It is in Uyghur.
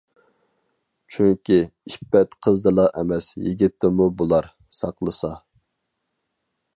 چۈنكى، ئىپپەت قىزدىلا ئەمەس، يىگىتتىمۇ بۇلار، ساقلىسا.